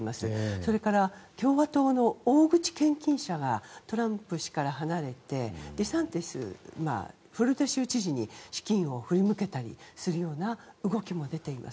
それから共和党の大口献金者がトランプ氏から離れてデサンティスフロリダ州知事に資金を振り向けたりする動きも出ています。